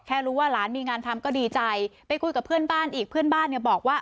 รู้ว่าหลานมีงานทำก็ดีใจไปคุยกับเพื่อนบ้านอีกเพื่อนบ้านเนี่ยบอกว่า